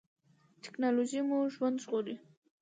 ټیکنالوژي مو ژوند ژغوري